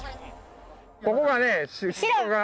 ここがね。